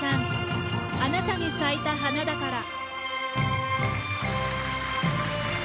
「あなたに咲いた花だから」。